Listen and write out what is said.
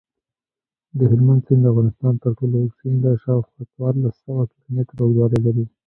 دهلمند سیند دافغانستان ترټولو اوږد سیند دی شاوخوا څوارلس سوه کیلومتره اوږدوالۍ لري.